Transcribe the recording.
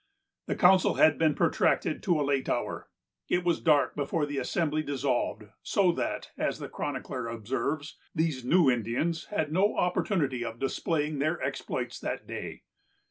The council had been protracted to a late hour. It was dark before the assembly dissolved, "so that," as the chronicler observes, "these new Indians had no opportunity of displaying their exploits that day."